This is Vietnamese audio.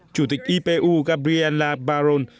chủ tịch ipu gabriela barros